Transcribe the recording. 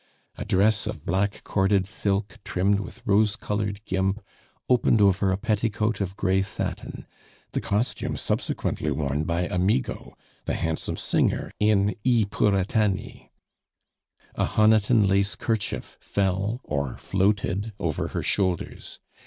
A dress of black corded silk trimmed with rose colored gimp opened over a petticoat of gray satin, the costume subsequently worn by Amigo, the handsome singer, in I Puritani. A Honiton lace kerchief fell or floated over her shoulders.